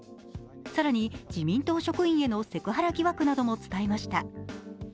更に自民党職員へのセクハラ疑惑なども伝えました。